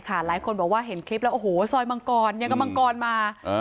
หลายคนบอกว่าเห็นคลิปแล้วโอ้โหซอยมังกรยังกับมังกรมา